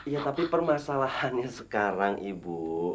ya tapi permasalahannya sekarang ibu